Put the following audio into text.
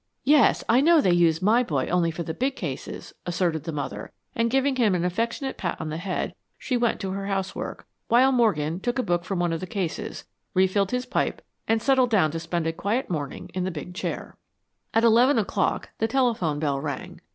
"Yes, I know they use my boy only for the big cases," asserted the mother, and giving him an affectionate pat on the head, she went to her housework, while Morgan took a book from one of the cases, refilled his pipe, and settled down to spend a quiet morning in the big chair. At eleven o'clock the telephone bell rang.